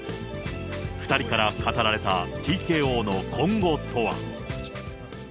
２人から語られたＴＫＯの今後とは。